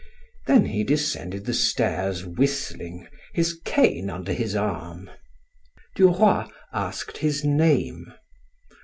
Then he descended the stairs whistling, his cane under his arm. Duroy asked his name.